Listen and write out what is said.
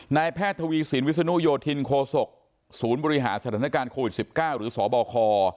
นายแพทย์ทวีสินวิศนุโยธินโคศกศูนย์บริหารสถานการณ์โควิด๑๙หรือสบค